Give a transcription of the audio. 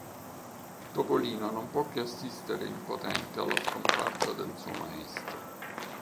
Topolino non può che assistere impotente alla scomparsa del suo maestro.